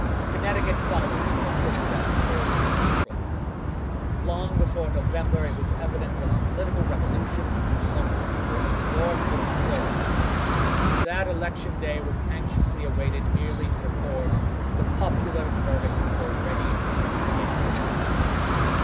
Connecticut followed in her footsteps early in April. Long before November it was evident that the political revolution among the people of the North was thorough, and that election day was anxiously awaited merely to record the popular verdict already decided.